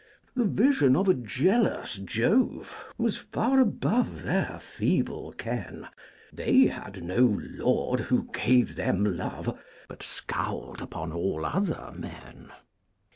The vision of a jealous Jove Was far above their feeble ken; They had no Lord who gave them love, But scowled upon all other men.